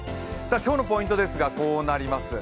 今日のポイントですが、こうなります。